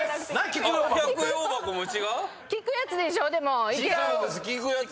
聞くやつでしょ意見を。